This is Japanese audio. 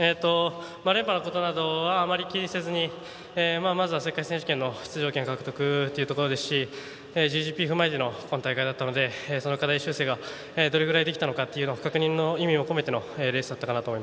連覇のことなどはあまり気にせずにまずは世界選手権の出場権獲得というところですしＧＧＰ踏まえての今大会だったのでどれぐらいできたのかという確認を意味を込めてのレースでした。